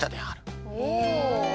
おお！